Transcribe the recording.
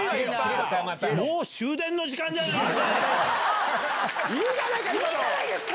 もう終電の時間じゃないですか。